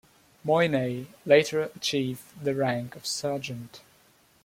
Moyney later achieved the rank of sergeant.